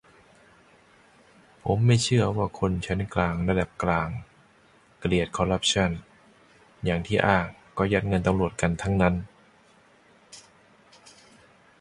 นิธิ : ผมไม่เชื่อว่าคนชั้นกลางระดับกลางเกลียดคอรัปชั่นอย่างที่อ้าง ก็ยัดเงินตำรวจกันทั้งนั้น